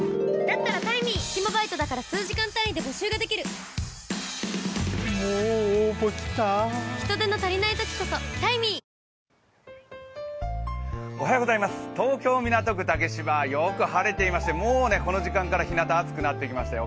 カルピスはぁあなたに甘ずっぱい東京・港区竹芝はよく晴れていましてもうこの時間から、ひなたは暑くなってきましたよ。